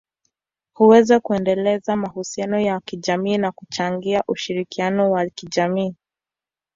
huweza kuendeleza mahusiano ya kijamii na kuchangia ushirikiano wa kijamii.